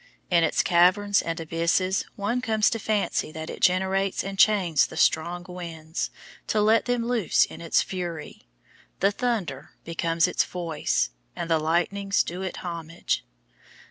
In its caverns and abysses one comes to fancy that it generates and chains the strong winds, to let them loose in its fury. The thunder becomes its voice, and the lightnings do it homage.